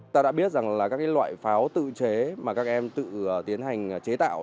ta đã biết rằng là các loại pháo tự chế mà các em tự tiến hành chế tạo